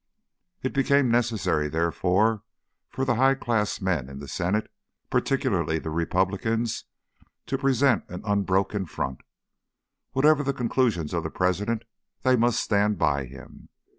It became necessary therefore for the high class men in the Senate, particularly the Republicans, to present an unbroken front. Whatever the conclusions of the President, they must stand by him.